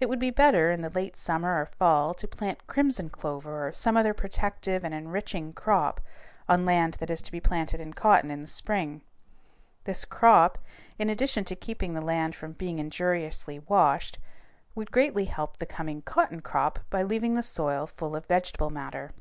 It would be better, in the late summer or fall, to plant crimson clover or some other protective and enriching crop on land that is to be planted in cotton in the spring. This crop, in addition to keeping the land from being injuriously washed, would greatly help the coming cotton crop by leaving the soil full of vegetable matter.